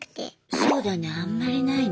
そうだねあんまりないね。